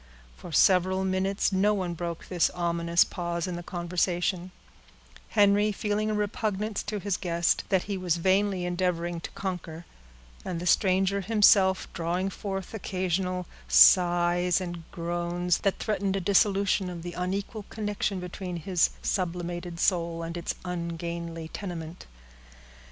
For several minutes no one broke this ominous pause in the conversation; Henry feeling a repugnance to his guest, that he was vainly endeavoring to conquer, and the stranger himself drawing forth occasional sighs and groans, that threatened a dissolution of the unequal connection between his sublimated soul and its ungainly tenement.